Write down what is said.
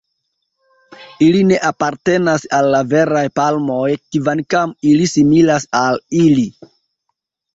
Ili ne apartenas al la veraj palmoj, kvankam ili similas al ili.